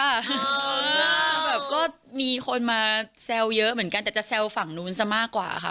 แบบก็มีคนมาแซวเยอะเหมือนกันแต่จะแซวฝั่งนู้นซะมากกว่าค่ะ